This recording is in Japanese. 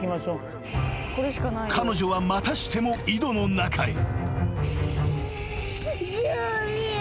［彼女はまたしても井戸の中へ］